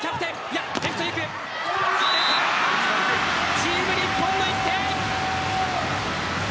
チーム日本の１点。